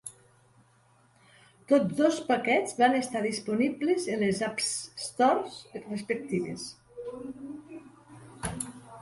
Tots dos paquets van estar disponibles en les App Stores respectives.